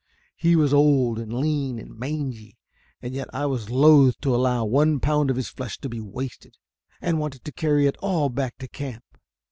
He was old and lean and mangy, and yet I was loath to allow one pound of his flesh to be wasted, and wanted to carry it all back to camp.